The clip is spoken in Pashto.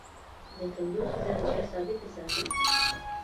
د تودیخي درجه ثابته ساتي.